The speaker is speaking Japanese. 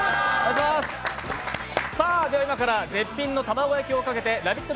では、今から絶品の玉子焼きをかけて「ラヴィット！」